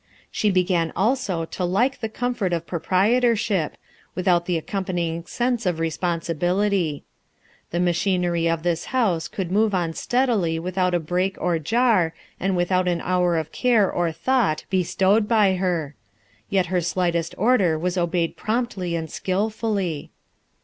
She began also to like the comfort of proprietorship, with out the accompanying sense of responsibility* The machinery of this house could move on steadily without break or jar, and without an hour of care or thought bestowed by her; yet her slightest order was obeyed promptly and skilfully.